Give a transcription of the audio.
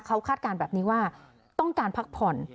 เขาคาดการณ์แบบนี้ว่าต้องการพักผ่อน